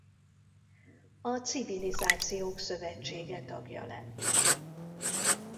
A Civilizációk Szövetsége tagja lett.